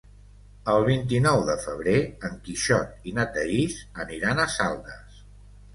El vint-i-nou de febrer en Quixot i na Thaís aniran a Saldes.